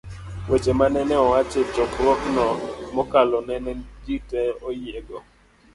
Weche manene owach e Chokruogno mokalo nene jite oyiego